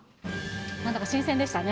なんだか新鮮でしたね。